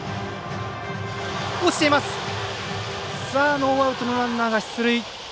ノーアウトのランナーが出塁。